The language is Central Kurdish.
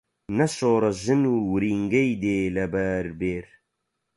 نە شۆڕەژن ورینگەی دێ لەبەر بێر